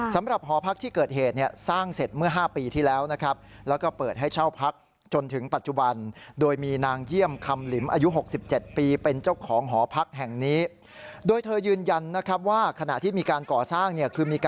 สำหรับหอพักที่เกิดเหตุสร้างเสร็จเมื่อ๕ปีที่แล้วนะครับ